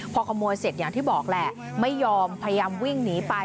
พอขโมยเสร็จอย่างที่บอกแหละไม่ยอมพยายามวิ่งหนีไป